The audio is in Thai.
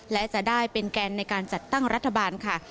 และจะได้เป็นแกนในการจัดตั้งรัฐบาลค่ะ